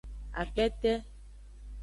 Akpete.